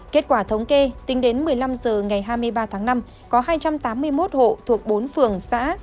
kết quả thống kê tính đến một mươi năm h ngày hai mươi ba tháng năm có hai trăm tám mươi một hộ thuộc bốn phường xã